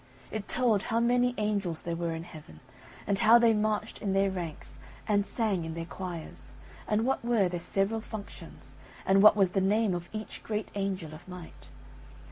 It told how many angels there were in heaven, and how they marched in their ranks, and sang in their quires, and what were their several functions, and what was the name of each great angel of might.